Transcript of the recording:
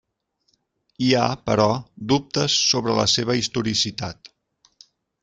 Hi ha, però, dubtes sobre la seva historicitat.